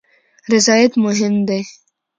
رضایت مهم دی